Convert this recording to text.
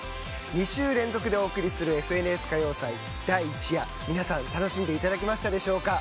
２週連続でお送りする『ＦＮＳ歌謡祭』第１夜皆さん楽しんでいただけましたでしょうか？